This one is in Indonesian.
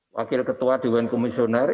wakil ketua dewan komisioner